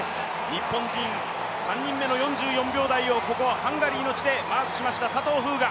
日本人３人目の４４秒台をここハンガリーの地でマークしました佐藤風雅。